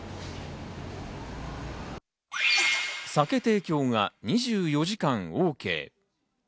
酒提供が２４時間ＯＫ。